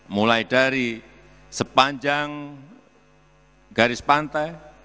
mulai dari sepanjang garis pantai